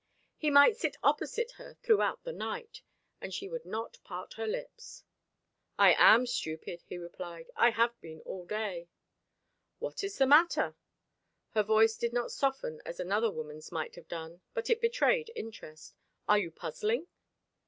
He might sit opposite her throughout the night, and she would not part her lips. "I am stupid," he replied. "I have been all day." "What is the matter?" Her voice did not soften as another woman's might have done, but it betrayed interest. "Are you puzzling?"